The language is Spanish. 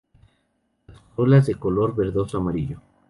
Las corolas de color verdoso amarillo.